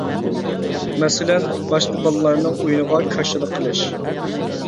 مەسىلەن، باشقا بالىلارنىڭ ئويۇنىغا كاشىلا قىلىش.